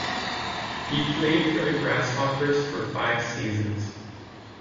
He played for the Grasshoppers for five seasons.